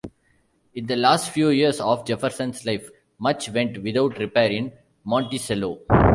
In the last few years of Jefferson's life, much went without repair in Monticello.